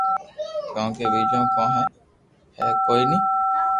ڪونڪھ ٻآجو ڪون تو ھي ھي ڪوئي ني